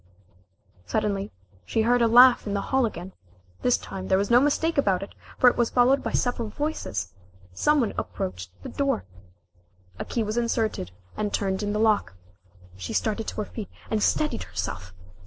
Suddenly she heard a laugh in the hall again this time there was no mistake about it, for it was followed by several voices. Some one approached the door. A key was inserted and turned in the lock. She started to her feet, and steadied herself!